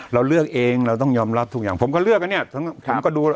เราเลือกเองเราต้องยอมรับทุกอย่างผมก็เลือกอันนี้ผมก็ดู